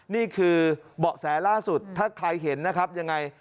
นี่คือเบาะแสล่าสุดถ้าใครเห็นนะครับยังไง